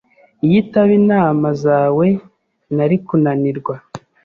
Iyo itaba inama zawe, nari kunanirwa.